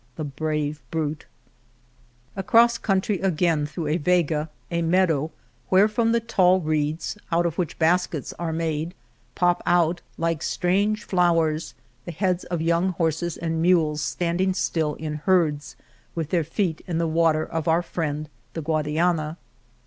The brave brute ! Across country again through a vega, a meadow where from the tall reeds, out of which baskets are made, pop out, like strange flowers, the heads of young horses and mules standing still, in herds, with their feet in the water of our friend the Guadiana.